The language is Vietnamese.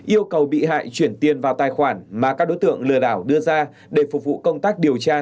yêu cầu bị hại chuyển tiền vào tài khoản mà các đối tượng lừa đảo đưa ra để phục vụ công tác điều tra